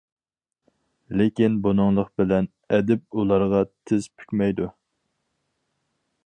لېكىن بۇنىڭلىق بىلەن ئەدىب ئۇلارغا تىز پۈكمەيدۇ.